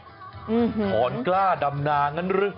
ถอนกล้าดำนางั้นหรือ